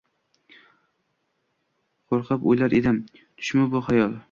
qo’rqib o’ylar edim: tushmi bu, xayol?